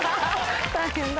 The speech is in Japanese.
大変だ。